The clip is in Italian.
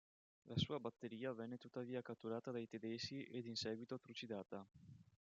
La sua batteria venne tuttavia catturata dai tedeschi ed in seguito trucidata.